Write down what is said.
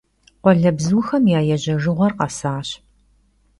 Khualebzuxem ya yêjejjığuer khesaş.